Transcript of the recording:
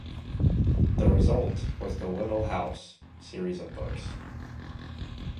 The result was the "Little House" series of books.